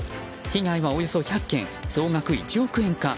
被害はおよそ１００件総額１億円か。